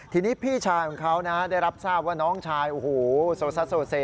ทีนี้พี่ชายของเขานะได้รับทราบว่าน้องชายโอ้โหโซซัสโซเซ